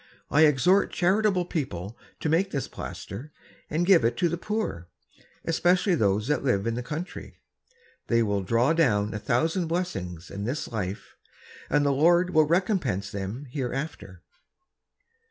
I exhort charitable People to make this Plaister and give it to the Poor, especially those that live in the Country; they will draw down a Thousand Blessings in this Life, and the Lord will recompence them hereafter.